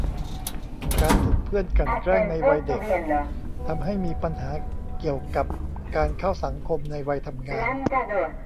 การถูกเพื่อนกลั่นแกล้งในวัยเด็ก ทำให้มีปัญหาเกี่ยวกับการเข้าสังคมในวัยทำงาน